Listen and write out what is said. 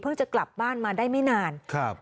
เพิ่งจะกลับบ้านมาได้ไม่นาน